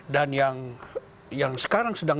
dan yang sekarang sedang